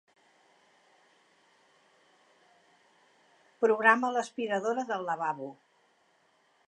Programa l'aspiradora del lavabo.